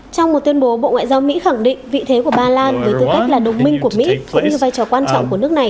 trong một tuyên bố bộ ngoại giao mỹ khẳng định vị thế của ba lan với tư cách là đồng minh của mỹ cũng như vai trò quan trọng của nước này